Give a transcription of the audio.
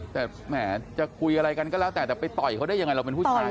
แต่แหมจะคุยอะไรกันก็แล้วแต่แต่ไปต่อยเขาได้ยังไงเราเป็นผู้ชาย